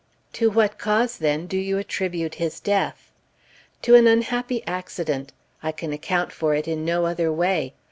"To what cause, then, do you attribute his death?" "To an unhappy accident. I can account for it in no other way.